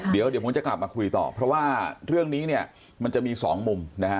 เดี๋ยวผมจะกลับมาคุยต่อเพราะว่าเรื่องนี้เนี่ยมันจะมีสองมุมนะฮะ